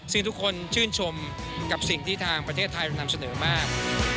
ซึ่งทุกคนชื่นชมกับสิ่งที่ทางประเทศไทยนำเสนอมาก